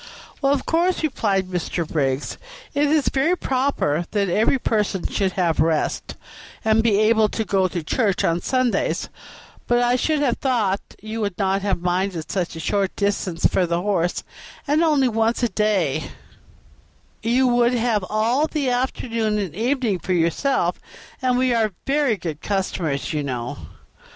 "Well, of course," replied Mr. Briggs, "it is very proper that every person should have rest, and be able to go to church on Sundays, but I should have thought you would not have minded such a short distance for the horse, and only once a day; you would have all the afternoon and evening for yourself, and we are very good customers, you know."